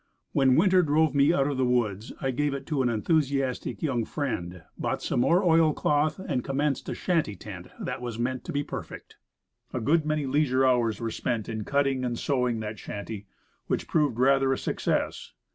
When winter drove me out of the woods I gave it to an enthusiastic young friend, SHANTY TENT SPREAD OUT. bought some more oil cloth, and commenced a shanty tent that was meant to be perfect. A good many leisure hours were spent in cutting and sewing that shanty, which proved rather a success.